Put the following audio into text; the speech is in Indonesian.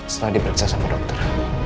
setelah diperiksa sama dokter